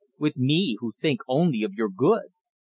With me who think only of your good?